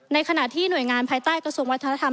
ในขณะที่หน่วยงานภายใต้กระทรวงวัฒนธรรม